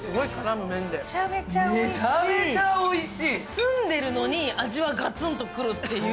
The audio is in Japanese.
済んでるのに、味はガツンと来るっていう。